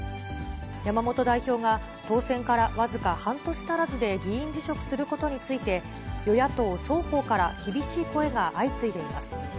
山本代表が、当選から僅か半年足らずで議員辞職することについて、与野党双方から厳しい声が相次いでいます。